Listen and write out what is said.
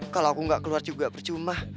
kalau aku nggak keluar juga percuma